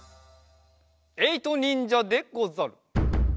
えいとにんじゃでござる。